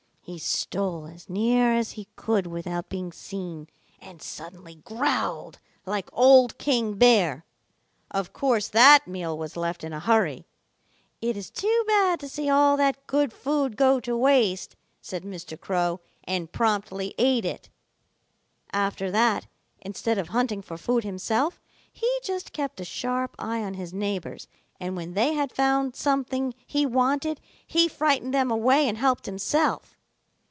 He stole as near as he could without being seen and suddenly growled like old King Bear. Of course that meal was left in a hurry. 'It is too bad to see all that good food go to waste,' said Mr. Crow and promptly ate it. "After that, instead of hunting for food himself, he just kept a sharp eye on his neighbors, and when they had found something he wanted, he frightened them away and helped himself.